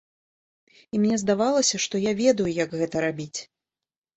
І мне здавалася, што я ведаю, як гэта рабіць.